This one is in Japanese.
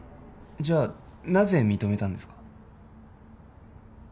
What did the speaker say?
じゃあなぜ認めたんですか？